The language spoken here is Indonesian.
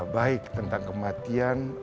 baik tentang kematian